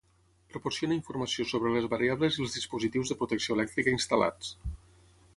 proporciona informació sobre les variables i els dispositius de protecció elèctrica instal·lats